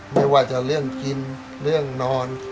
ไม่ว่าจะเรื่องกินเรื่องนอน